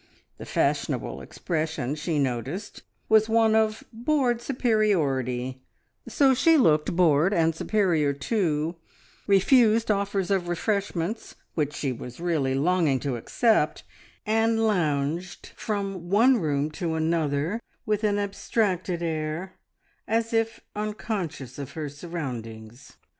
The fashionable expression, she noticed, was one of bored superiority, so she looked bored and superior too, refused offers of refreshments which she was really longing to accept, and lounged from one room to another with an abstracted air, as if unconscious of her surroundings.